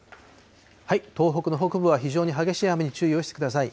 東北の北部は非常に激しい雨に注意をしてください。